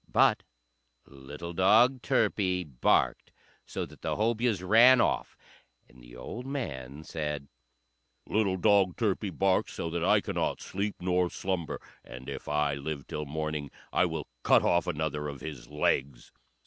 But little dog Turpie barked so that the Hobyahs ran off; and the old man said, "Little dog Turpie barks so that I cannot sleep nor slumber, and if I live till morning I will cut off another of his legs."